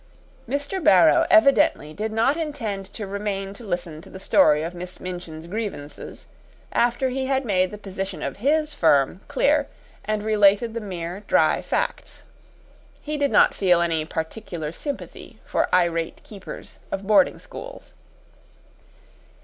Mr. Barrow evidently did not intend to remain to listen to the story of Miss Minchin's grievances after he had made the position of his firm clear and related the mere dry facts. He did not feel any particular sympathy for irate keepers of boarding schools.